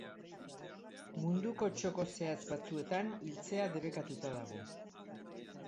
Munduko txoko zehatz batzuetan hiltzea debekatuta dago.